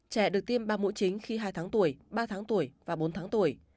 trẻ được tiêm ba mũi chính khi hai tháng tuổi ba tháng tuổi và bốn tháng tuổi